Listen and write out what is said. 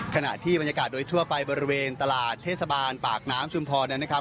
ขณะที่บรรยากาศโดยทั่วไปบริเวณตลาดเทศบาลปากน้ำชุมพรนั้นนะครับ